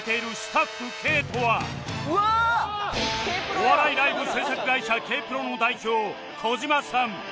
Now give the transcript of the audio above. お笑いライブ制作会社 Ｋ−ＰＲＯ の代表児島さん